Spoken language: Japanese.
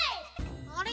あれ？